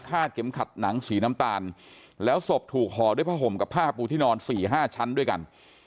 เข็มขัดหนังสีน้ำตาลแล้วศพถูกห่อด้วยผ้าห่มกับผ้าปูที่นอนสี่ห้าชั้นด้วยกัน